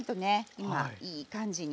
今いい感じに。